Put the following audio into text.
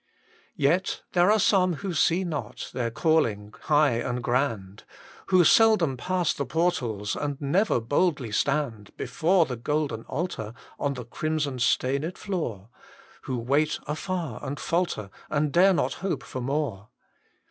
THE MINISTRY OF INTERCESSION Yet there are some who sre not Their calling high and grand, Who seldom pass the portals, And never boldly stand Before the golden altar On the crimson stained floor, Who wait afar and falter, And dare not hope for more.